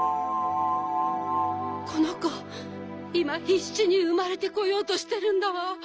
このこいまひっしにうまれてこようとしてるんだわ。